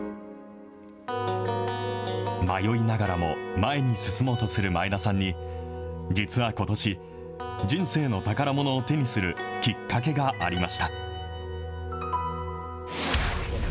迷いながらも前に進もうとする前田さんに、実はことし、人生の宝ものを手にするきっかけがありました。